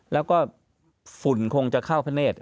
แล้วก็ฝุ่นคงจะเข้าพระเนธ